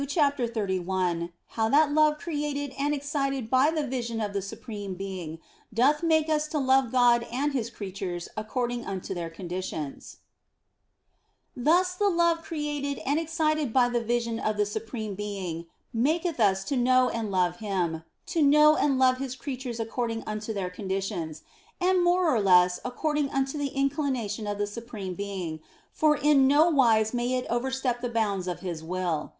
CHAPTER XXXI HOW THAT LOVE CREATED AND EXCITED BY THE VISION OF THE SUPREME BEING DOTH MAKE US TO LOVE GOD AND HIS CREATURES ACCORDING UNTO THEIR CONDITIONS THUS the love created and excited by the vision of the Supreme Being maketh us to know and love Him, to know OF FOLIGNO 131 and love His creatures according unto their conditions, and more or less according unto the inclination of the Supreme Being, for in no wise may it overstep the bounds of His will.